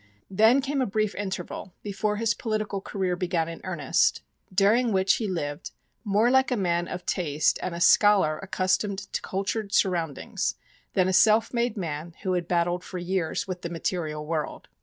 Then came a brief interval, before his political career began in earnest, during which he lived "more like a man of taste and a scholar accustomed to cultured surroundings than a self made man who had battled for years with the material world."